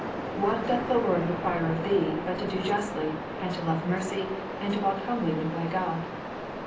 "_What doth the Lord require of thee but to do justly and to love mercy and to walk humbly with thy God?